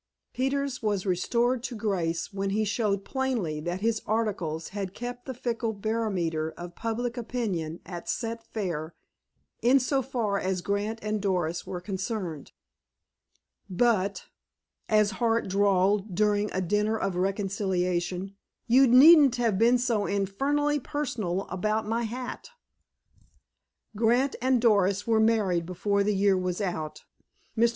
Peters was restored to grace when he showed plainly that his articles had kept the fickle barometer of public opinion at "set fair," in so far as Grant and Doris were concerned. "But," as Hart drawled during a dinner of reconciliation, "you needn't have been so infernally personal about my hat." Grant and Doris were married before the year was out. Mr.